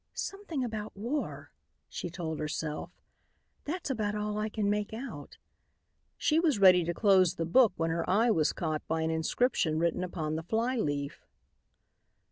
"Something about war," she told herself. "That's about all I can make out." She was ready to close the book when her eye was caught by an inscription written upon the fly leaf.